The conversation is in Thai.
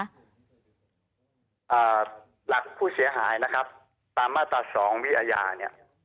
หลักผู้เสียหายนะครับตามมาตราสองวิอาญาเนี่ย